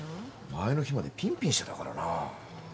前の日までピンピンしてたからな。